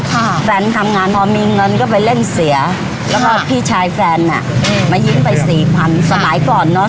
แฟนทำงานพอมีเงินก็ไปเล่นเสียแล้วก็พี่ชายแฟนอ่ะอืมมายิ้มไปสี่พันสมัยก่อนเนอะ